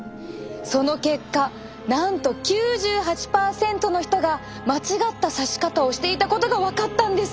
その結果なんと９８％の人が間違ったさし方をしていたことが分かったんです！